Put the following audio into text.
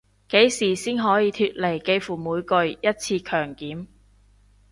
幾時先可以脫離幾乎每個月一次強檢